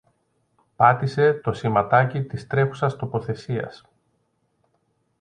Πάτησε το σηματάκι της τρέχουσας τοποθεσίας